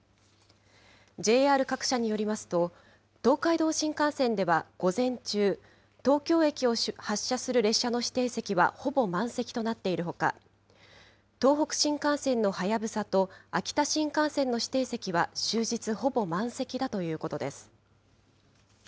ＪＲ各社によりますと、東海道新幹線では午前中、東京駅を発車する列車の指定席はほぼ満席となっているほか、東北新幹線のはやぶさと、秋田新幹線の指定席は終日ほぼ満席だということです。